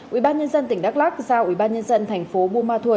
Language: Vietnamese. ubnd tỉnh đắk lắc giao ubnd thành phố buôn ma thuột